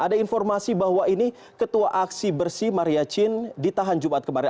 ada informasi bahwa ini ketua aksi bersih maria chin ditahan jumat kemarin